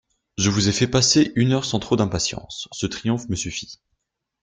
Je vous ai fait passer une heure sans trop d'impatience ; ce triomphe me suffit.